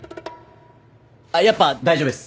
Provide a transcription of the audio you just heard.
あっやっぱ大丈夫です。